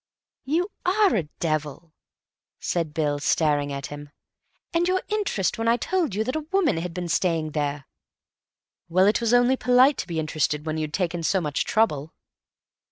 "You are a devil," said Bill, staring at him. "And your interest when I told you that a woman had been staying there—" "Well, it was only polite to be interested when you'd taken so much trouble."